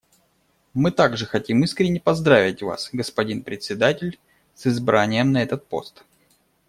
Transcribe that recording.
Мы также хотим искренне поздравить Вас, господин Председатель, с избранием на этот пост.